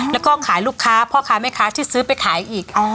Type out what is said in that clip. แล้วก็ขายลูกค้าพ่อค้าแม่ค้าที่ซื้อไปขายอีก